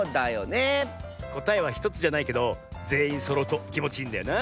こたえは１つじゃないけどぜんいんそろうときもちいいんだよな。